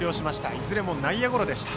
いずれも内野ゴロでした。